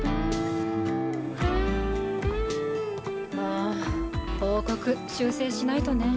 ああ報告修正しないとね。